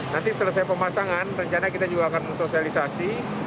nanti selesai pemasangan rencana kita juga akan sosialisasi